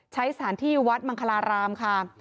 ใช้สารที่วัดมารมคราวรามค่ะ